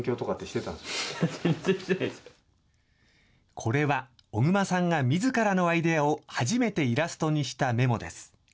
これは小熊さんがみずからのアイデアを初めてイラストにしたメモです。